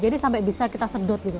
jadi sampai bisa kita sedot gitu